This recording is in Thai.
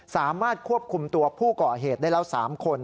สามารถควบคุมตัวผู้ก่อเหตุได้แล้ว๓คน